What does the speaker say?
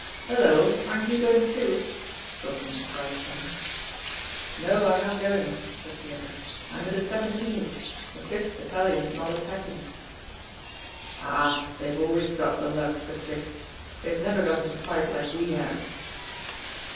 "Hullo, aren't you going too?" Cocon cries to him. "No, I'm not going," says the other. "I'm in the 17th. The Fifth Battalion's not attacking!" "Ah, they've always got the luck, the Fifth. They've never got to fight like we have!"